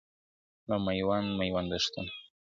دا ميوند ميوند دښتونه `